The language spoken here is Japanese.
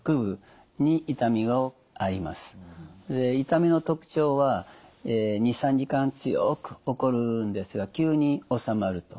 痛みの特徴は２３時間強く起こるんですが急におさまると。